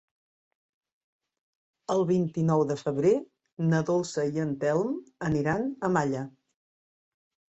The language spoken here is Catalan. El vint-i-nou de febrer na Dolça i en Telm aniran a Malla.